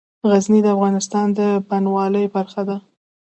غزني د افغانستان د بڼوالۍ برخه ده.